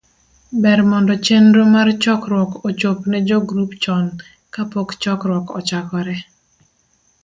ber mondo chenro mar chokruok ochop ne jogrup chon kapok chokruok ochakore.